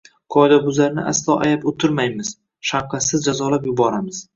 – Qoidabuzarlarni aslo ayab o’tirmaymiz, shavqatsiz jazolab yuboramiz!